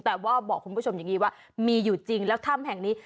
แต่ว่าบอกคุณผู้ชมอย่างนี้ว่ามีอยู่จริงแล้วถ้ำแห่งนี้